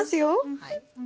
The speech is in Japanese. はい。